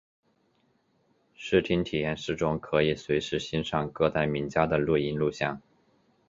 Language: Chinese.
视听体验室中可以随时欣赏各代名家的录音录像。